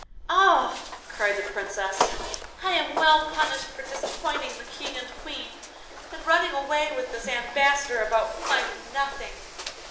'Ah!' cried the Princess, 'I am well punished for disappointing the King and Queen, and running away with this Ambassador about whom I knew nothing.